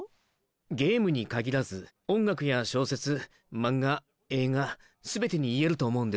ゲームに限らず音楽や小説マンガ映画全てに言えると思うんですけど。